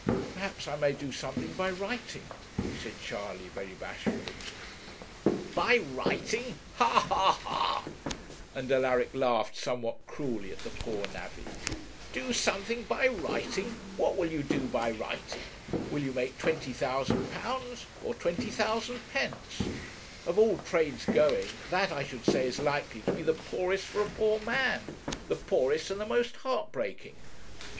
'Perhaps I may do something by writing,' said Charley, very bashfully. 'By writing! ha, ha, ha,' and Alaric laughed somewhat cruelly at the poor navvy ' do something by writing! what will you do by writing? will you make £20,000 or 20,000 pence? Of all trades going, that, I should say, is likely to be the poorest for a poor man the poorest and the most heart breaking.